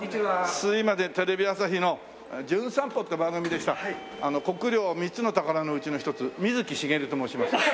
すいませんテレビ朝日の『じゅん散歩』って番組で来た国領３つの宝のうちの一つ水木しげると申します。